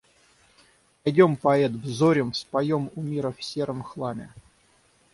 Пойдем, поэт, взорим, вспоем у мира в сером хламе.